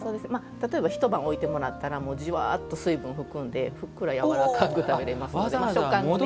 例えば一晩置いてもらったらじわっと水分を含んでふっくらやわらかく食べられますので。